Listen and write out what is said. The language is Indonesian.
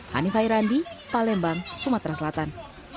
hanifah irandi palembang sumatera selatan